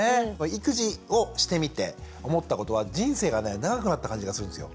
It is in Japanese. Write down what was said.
育児をしてみて思ったことは人生がね長くなった感じがするんですよ。